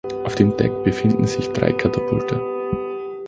Auf dem Deck befinden sich drei Katapulte.